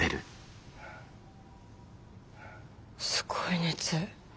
すごい熱。